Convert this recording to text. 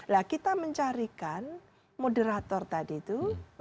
nah kita mencarikan moderator tadi itu